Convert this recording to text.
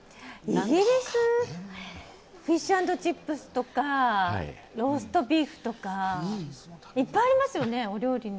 フィッシュ＆チップスとかローストビーフとかいっぱいありますよね。